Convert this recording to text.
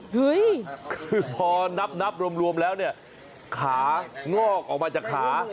เฮ้ยคือพอนับรวมแล้วเนี่ยขางอกออกมาจากขา